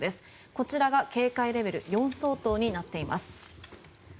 こちらが警戒レベル４相当になっています。